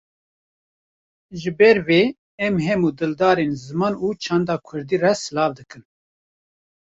Ji ber vê em hemû dildarên ziman û çanda Kurdî re silav dikin.